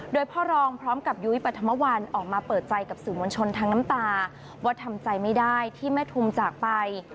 โดยพ่อรองพร้อมกับยุ้ยปฐมวัลออกมาเปิดใจกับสื่อมวลชนทั้งน้ำตาว่าทำใจไม่ได้ที่แม่ทุมจากไป